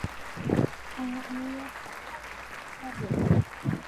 Àŋwàʼànə̀ ya a nɔŋə a atu tabɛ̀rə̀.